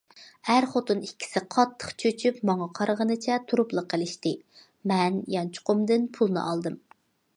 ئەر- خوتۇن ئىككىسى قاتتىق چۆچۈپ ماڭا قارىغىنىچە تۇرۇپلا قېلىشتى، مەن يانچۇقۇمدىن پۇلنى ئالدىم.